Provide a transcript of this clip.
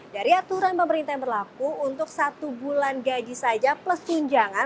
dari aturan pemerintah yang berlaku untuk satu bulan gaji saja plus tunjangan